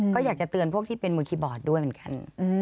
ก็อยากจะเตือนพวกที่เป็นมือคีย์บอร์ดด้วยเหมือนกัน